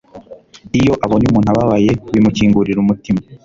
iyo abonye umuntu ababaye, bimukingurira umutima